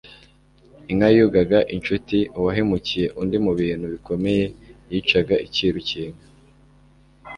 Inka yungaga inshuti, uwahemukiye undi mu bintu bikomeye yicaga icyiru cy'inka,